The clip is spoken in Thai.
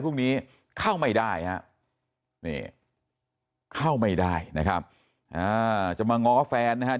พวกนี้เข้าไม่ได้เข้าไม่ได้นะครับนะจะมาง้อแฟนนะฮะ